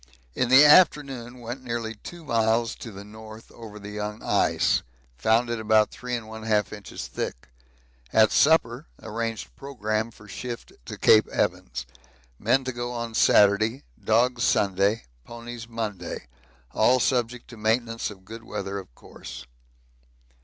In the afternoon went nearly two miles to the north over the young ice; found it about 3 1/2 inches thick. At supper arranged programme for shift to Cape Evans men to go on Saturday dogs Sunday ponies Monday all subject to maintenance of good weather of course.